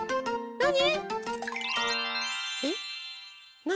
なに？